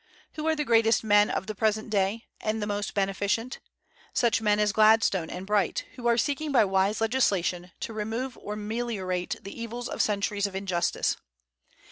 Who are the greatest men of the present day, and the most beneficent? Such men as Gladstone and Bright, who are seeking by wise legislation to remove or meliorate the evils of centuries of injustice.